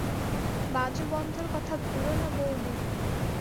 বাজুবন্ধর কথা ভুলো না বউদিদি।